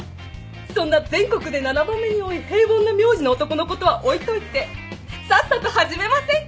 そんな全国で７番目に多い平凡な名字の男のことは置いといてさっさと始めませんか？